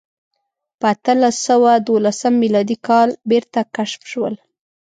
په اتلس سوه دولسم میلادي کال بېرته کشف شول.